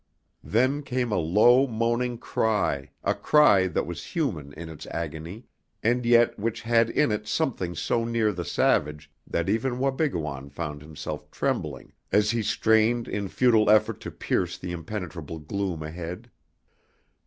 Then came a low moaning cry, a cry that was human in its agony, and yet which had in it something so near the savage that even Wabigoon found himself trembling as he strained in futile effort to pierce the impenetrable gloom ahead.